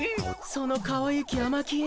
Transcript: そのかわゆきあまきえ顔。